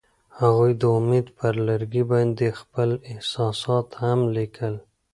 هغوی د امید پر لرګي باندې خپل احساسات هم لیکل.